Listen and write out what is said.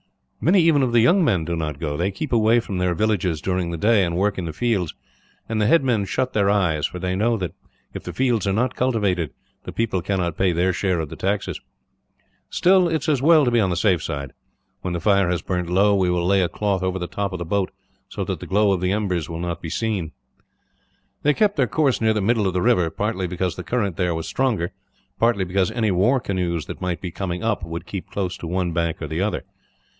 "Many even of the young men do not go. They keep away from their villages during the day, and work in the fields; and the headmen shut their eyes, for they know that if the fields are not cultivated, the people cannot pay their share of the taxes. "Still, it is as well to be on the safe side. When the fire has burnt low we will lay a cloth over the top of the boat, so that the glow of the embers will not be seen." They kept their course near the middle of the river; partly because the current there was stronger, partly because any war canoes that might be coming up would keep close to one bank or the other.